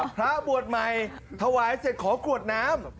พระบวชใหม่ถวายเสร็จขอกรวดน้ำ